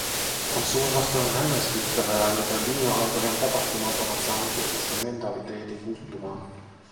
On suorastaan hämmästyttävää, miten viimeaikojen tapahtumat ovat saaneet ihmisten mentaliteetin muuttumaan.